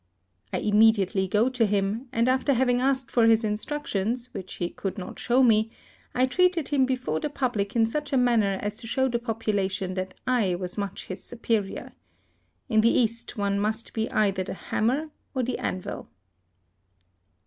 I immediately go to him, and after hav ing asked for his instructions, which he could not show me, I treated him before 64 HISTORY OF the public in such a manner as to show the population that I was much his superior. In the East one must be either the hammer or the anvil.